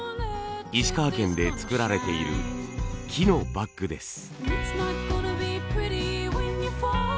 石川県で作られている木のバッグです。